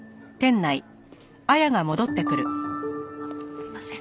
すいません。